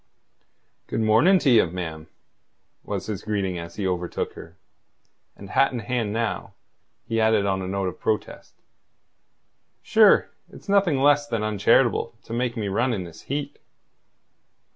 "Good morning to ye, ma'am," was his greeting as he overtook her; and hat in hand now, he added on a note of protest: "Sure, it's nothing less than uncharitable to make me run in this heat."